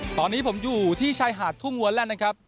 ตอนนี้ผมอยู่ที่ชายหาดทุ่งวัลแล้วนะครับ